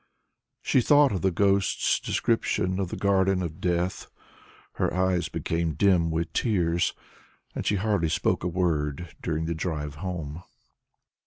She thought of the ghost's description of the Garden of Death, her eyes became dim with tears, and she hardly spoke a word during the drive home.